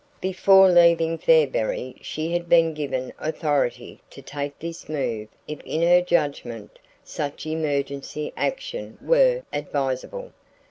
Before leaving Fairberry she had been given authority to take this move if in her judgment such emergency action were advisable.